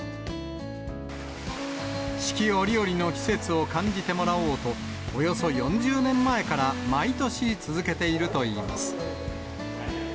四季折々の季節を感じてもらおうと、およそ４０年前から毎年続けているといいます。